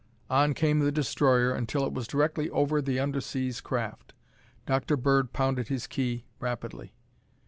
On came the destroyer until it was directly over the underseas craft. Dr. Bird pounded his key rapidly.